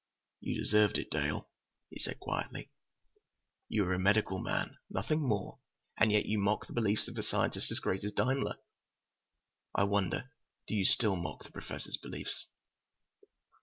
"You deserved it, Dale," he said quietly. "You are a medical man, nothing more, and yet you mock the beliefs of a scientist as great as Daimler. I wonder—do you still mock the Professor's beliefs?"